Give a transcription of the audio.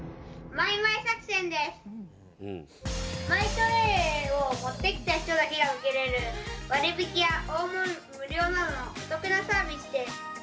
マイトレイを持ってきた人だけが受けれる割引や大盛り無料などのお得なサービスです。